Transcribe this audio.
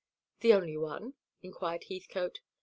"The only one?" inquired Heathcote.